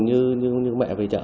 như mẹ vậy đó